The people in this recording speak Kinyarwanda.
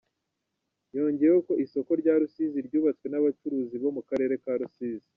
Yongeyeho ko isoko rya Rusizi ryubatswe n’abacuruzi bo mu karere ka Rusizi.